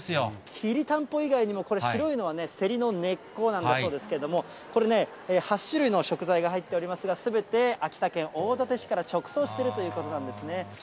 きりたんぽ以外にもこれ、白いのはせりの根っこなんだそうですけれども、これね、８種類の食材が入っておりますが、すべて秋田県大館市から直送しているということなんですね。